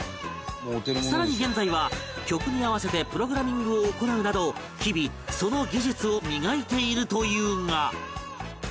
更に現在は曲に合わせてプログラミングを行うなど日々その技術を磨いているというが